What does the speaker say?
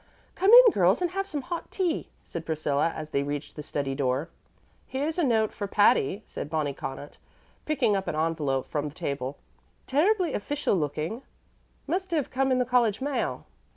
"Come in, girls, and have some hot tea," said Priscilla, as they reached the study door. "Here's a note for Patty," said Bonnie Connaught, picking up an envelop from the table. "Terribly official looking. Must have come in the college mail.